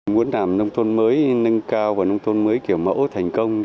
muốn làm nông thuận mới nâng cao và nông thuận mới kiểu mẫu thành công